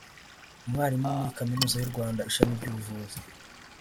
Umwarimu muri Kaminuza y’u Rwanda ishami ry’ubuvuzi